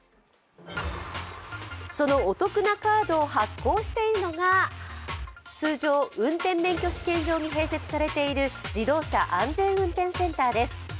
そのお得なカードを発行しているのが通常、運転免許試験場に併設されている自動車安全運転センターです。